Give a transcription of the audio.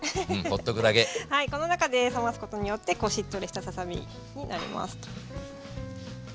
この中で冷ますことによってこうしっとりしたささ身になりますと。